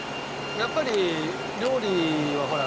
やっぱり料理はほら